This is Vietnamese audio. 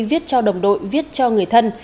viết cho đồng đội viết cho người thân